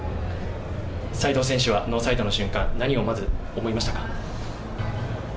齋藤選手は、ノーサイドの瞬間、何をまず思いましたか。